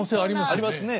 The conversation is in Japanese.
ありますね。